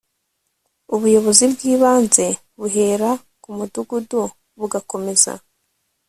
ubuyobozi bw'ibanze buhera ku mudugudu bugakomeza